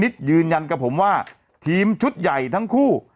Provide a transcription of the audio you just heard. ตูนี้ผมคิดว่าทีมชุดใหญ่ทั้งคู่